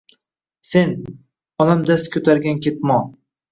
Sen, onam dast koʼtargan ketmon